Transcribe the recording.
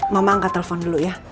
mama angka telpon dulu ya